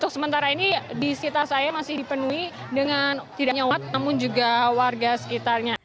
sementara ini di sekitar saya masih dipenuhi dengan tidak hanya umat namun juga warga sekitarnya